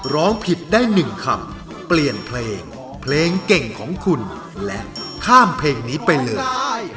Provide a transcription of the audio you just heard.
ร้องผิดได้๑คำเปลี่ยนเพลงเพลงเก่งของคุณและข้ามเพลงนี้ไปเลย